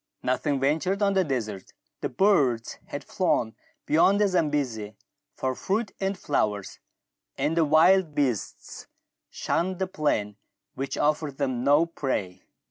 Nothing ventured on the desert ; the birds had flown beyond the Zambesi for fruit and flowers, and the wild beasts shunned the plain which offered them no prey.